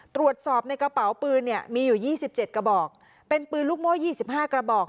ตรวจสอบในกระเป๋าปืนเนี่ยมีอยู่ยี่สิบเจ็ดกระบอกเป็นปืนลูกโม้ยยี่สิบห้ากระบอก